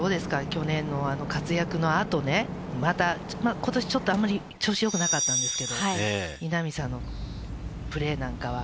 去年の活躍のあと、また、ことしちょっとあんまり調子よくなかったんですけれども、稲見さんのプレーなんかは。